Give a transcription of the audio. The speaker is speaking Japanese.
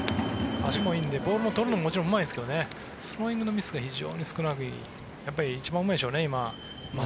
足もいいのでボールを取るのもうまいですけどスローイングのミスが少ない一番今うまいでしょうね。